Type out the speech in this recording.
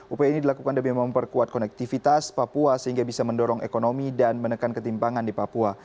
upaya ini dilakukan demi memperkuat konektivitas papua sehingga bisa mendorong ekonomi dan menekan ketimpangan di papua